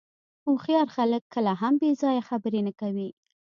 هوښیار خلک کله هم بې ځایه خبرې نه کوي.